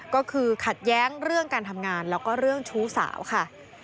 ก็คือขัดแย้งเรื่องการทำงานแล้วก็เรื่องชู้สาวค่ะ